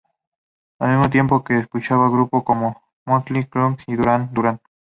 Al mismo tiempo que escuchaba grupos como Mötley Crüe y Duran Duran.